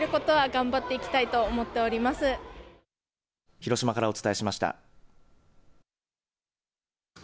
広島からお伝えしました。